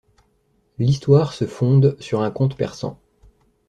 L'histoire se fonde sur un conte persan.